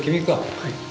はい。